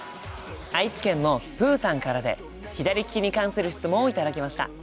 愛知県のぷうさんからで左利きに関する質問を頂きました。